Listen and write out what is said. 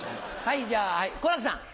じゃあ好楽さん。